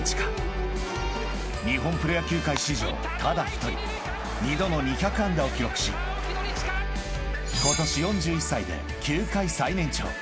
［日本プロ野球界史上ただ一人２度の２００安打を記録し今年４１歳で球界最年長］